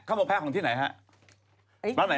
จากกระแสของละครกรุเปสันนิวาสนะฮะ